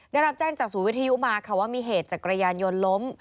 ได้รับแจ้งจากสู่วิทยุมาว่ามีเหตุจากกระยานยนต์ล้ม